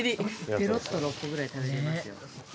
ペロッと６個ぐらい食べれますよ。